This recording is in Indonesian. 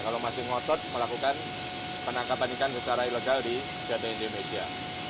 kalau masih ngotot melakukan penangkapan ikan secara ilegal di data indonesia